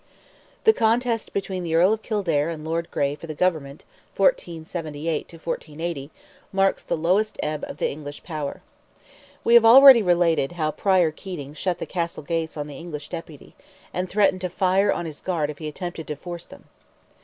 The contest between the Earl of Kildare and Lord Grey for the government (1478 1480) marks the lowest ebb of the English power. We have already related how Prior Keating shut the Castle gates on the English deputy, and threatened to fire on his guard if he attempted to force them.